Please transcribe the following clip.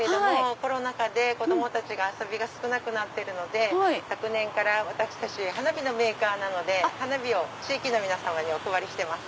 コロナ禍で子供たちが遊びが少なくなってるので昨年から私たち花火のメーカーなので花火を地域の皆様にお配りしてます。